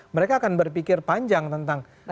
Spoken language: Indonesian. mereka akan berpikir panjang tentang